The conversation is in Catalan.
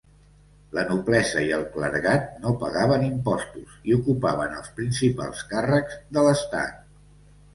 La noblesa i el clergat no pagaven impostos i ocupaven els principals càrrecs de l'Estat.